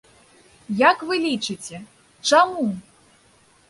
Як вы лічыце, чаму?